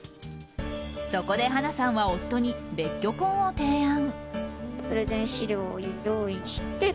そこで華さんは夫に別居婚を提案。